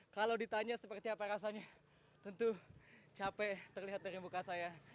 kalau ditanya seperti apa rasanya tentu capek terlihat dari muka saya